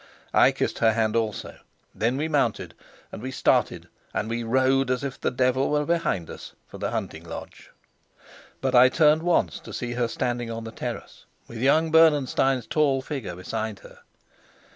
I kissed her hand also; then we mounted, and we started, and we rode, as if the devil were behind us, for the hunting lodge. But I turned once to watch her standing on the terrace, with young Bernenstein's tall figure beside her.